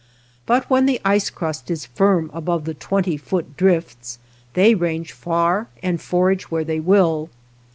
But when the ice crust is firm above the twenty foot drifts, they range far and forage where they will.